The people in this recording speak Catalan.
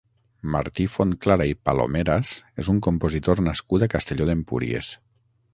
Martí Fontclara i Palomeras és un compositor nascut a Castelló d'Empúries.